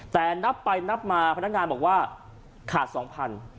แต่นับไปนับมาพนักงานบอกว่าขาดสองพัน